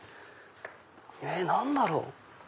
え何だろう？